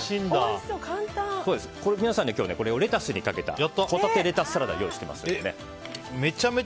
皆さんには今日これを、レタスにかけたホタテレタスサラダ用意していますんで。